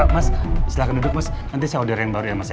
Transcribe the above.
mas silahkan duduk mas nanti saya udara yang baru ya mas ya